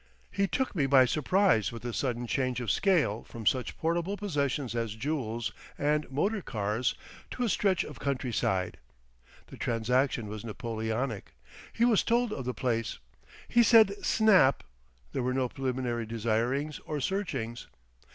He took me by surprise with the sudden change of scale from such portable possessions as jewels and motor cars to a stretch of countryside. The transaction was Napoleonic; he was told of the place; he said "snap"; there were no preliminary desirings or searchings.